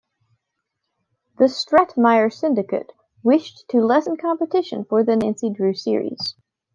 The Stratemeyer Syndicate wished to lessen competition for the Nancy Drew series.